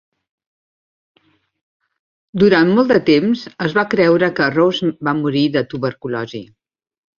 Durant molt de temps es va creure que Rose va morir de tuberculosi.